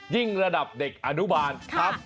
ยิ่งระดับเด็กอนุบาลครับ